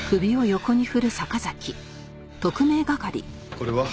これは？